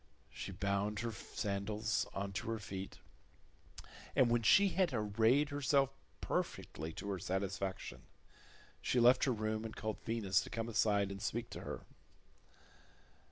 She bound her sandals on to her feet, and when she had arrayed herself perfectly to her satisfaction, she left her room and called Venus to come aside and speak to her.